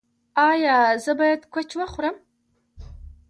ایا زه باید کوچ وخورم؟